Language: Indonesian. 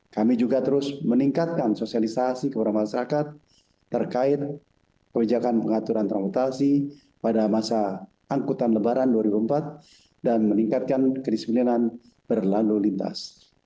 kami juga terus meningkatkan sosialisasi kepada masyarakat terkait kebijakan pengaturan transportasi pada masa angkutan lebaran dua ribu empat dan meningkatkan kedisiplinan berlalu lintas